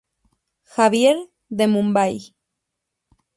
Xavier, de Mumbai.